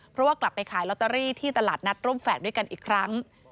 เพราะว่ากลับไปขายลอตเตอรี่ที่ตลาดนัดร่มแฝดด้วยกันอีกครั้ง